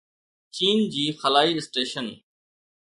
چين جي خلائي اسٽيشن